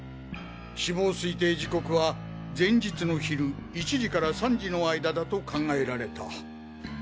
死亡推定時刻は前日の昼１時から３時の間だと考えられた。